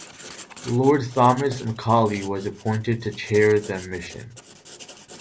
Lord Thomas Macaulay was appointed to chair the commission.